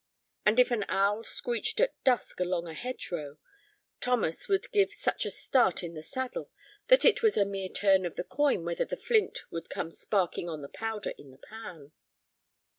And if an owl screeched at dusk along a hedge row, Thomas would give such a start in the saddle that it was a mere turn of the coin whether the flint would come sparking on the powder in the pan.